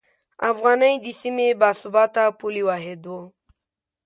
افغانۍ د سیمې باثباته پولي واحد و.